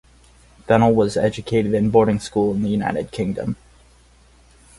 Fennell was educated in boarding school in the United Kingdom.